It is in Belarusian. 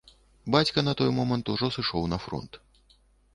Бацька на той момант ужо сышоў на фронт.